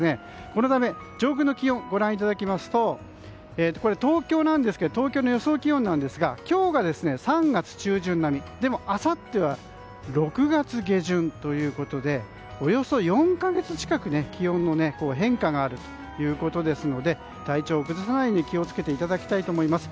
このため上空の気温をご覧いただきますと東京の予想気温ですが今日が３月中旬並みでもあさっては６月下旬でおよそ４か月近く、気温の変化があるということなので体調を崩さないように気を付けていただきたいと思います。